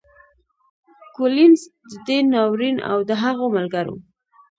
کولینز د دې ناورین او د هغو ملګرو